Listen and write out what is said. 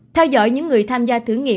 theo dõi những người tham gia thử nghiệm